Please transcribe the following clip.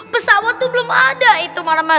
pesawat itu belum ada itu malah